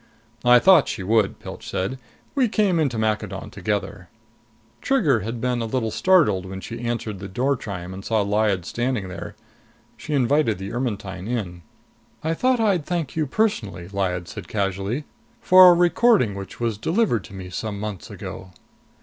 "I thought she would," Pilch said. "We came in to Maccadon together." Trigger had been a little startled when she answered the doorchime and saw Lyad standing there. She invited the Ermetyne in. "I thought I'd thank you personally," Lyad said casually, "for a recording which was delivered to me some months ago."